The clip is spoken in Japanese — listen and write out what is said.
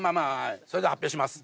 それでは発表します。